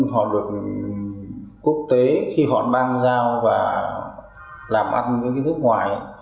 họ được quốc tế khi họ ban giao và làm ăn với nước ngoài